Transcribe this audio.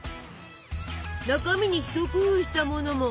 中身に一工夫したものも。